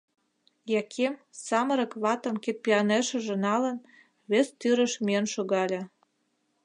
Яким, самырык ватым кидпӱанешыже налын, вес тӱрыш миен шогале.